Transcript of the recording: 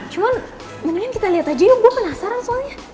cuman memang kita lihat aja ya gue penasaran soalnya